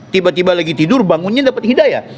tiba tiba lagi tidur bangunnya dapat hidayah